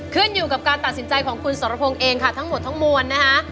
ขึ้นอยู่กับการตัดสินใจของคุณสรพงศ์เองค่ะทั้งหมดทั้งมวลนะคะ